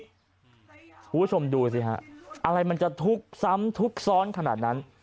คุณผู้ชมดูสิฮะอะไรมันจะทุกข์ซ้ำทุกข์ซ้อนขนาดนั้น